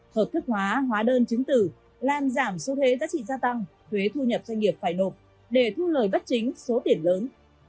hợp thức hóa hóa đơn chứng tử làm giảm số thuế giá trị gia tăng thuế thu nhập doanh nghiệp phải nộp để thu lời bất chính số tiền lớn